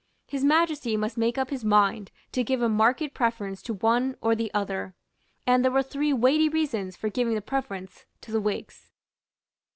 His Majesty must make up his mind to give a marked preference to one or the other; and there were three weighty reasons for giving the preference to the Whigs.